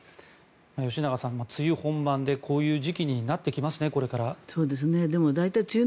吉永さん、梅雨本番でこういう時期になってきますね